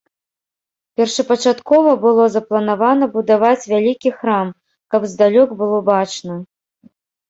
Першапачаткова было запланавана будаваць вялікі храм, каб здалёк было бачна.